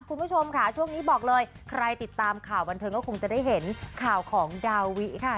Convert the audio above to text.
คุณผู้ชมค่ะช่วงนี้บอกเลยใครติดตามข่าวบันเทิงก็คงจะได้เห็นข่าวของดาวิค่ะ